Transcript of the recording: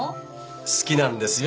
好きなんですよ。